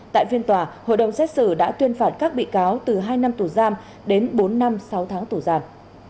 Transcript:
tại phiên tòa hội đồng xét xử đã tuyên phạt các bị cáo từ hai năm tù giam đến bốn năm sáu tháng tù giam